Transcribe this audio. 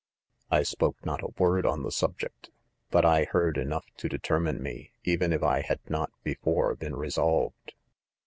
*"I spoke not. a word on the subject j but I heard enough to determine me, even if t had mot before been resolved.